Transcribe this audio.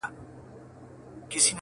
هغه به دروند ساتي چي څوک یې په عزت کوي.